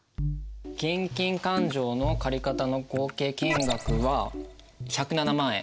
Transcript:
現金勘定の借方の合計金額は１０７万円。